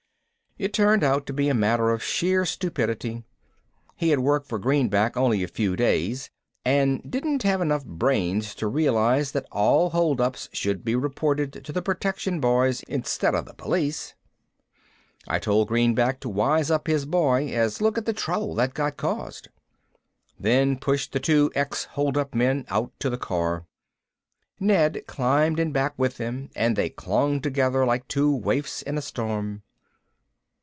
It turned out to be a matter of sheer stupidity. He had worked for Greenback only a few days and didn't have enough brains to realize that all holdups should be reported to the protection boys instead of the police. I told Greenback to wise up his boy, as look at the trouble that got caused. Then pushed the two ex holdup men out to the car. Ned climbed in back with them and they clung together like two waifs in a storm.